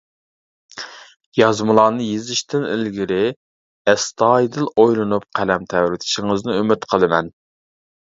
يازمىلارنى يېزىشتىن ئىلگىرى ئەستايىدىل ئويلىنىپ قەلەم تەۋرىتىشىڭىزنى ئۈمىد قىلىمەن.